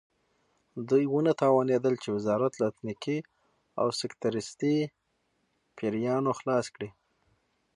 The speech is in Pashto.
دوی ونه توانېدل چې وزارت له اتنیکي او سکتریستي پیریانو خلاص کړي.